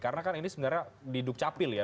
karena kan ini sebenarnya di dukcapil ya